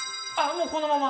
もうこのまま？